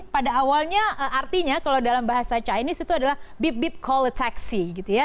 pada awalnya artinya kalau dalam bahasa chinese itu adalah beep beep call a taxi gitu ya